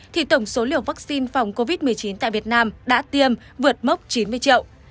thì tổng số liều vaccine phòng covid một mươi chín tại việt nam đã tiêm vượt mốc chín mươi triệu